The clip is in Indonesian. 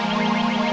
terima kasih mbak